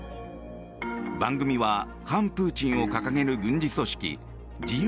番組は反プーチンを掲げる軍事組織自由